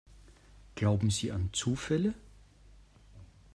Glauben Sie an Zufälle?